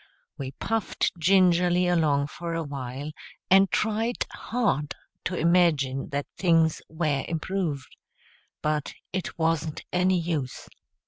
We puffed gingerly along for a while, and tried hard to imagine that things were improved. But it wasn't any use.